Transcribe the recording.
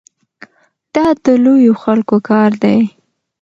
دا د لویو خلکو کار دی.